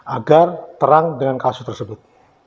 agar terang dengan kasus tersebut